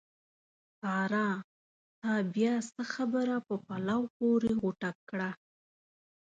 سارا! تا بیا څه خبره په پلو پورې غوټه کړه؟!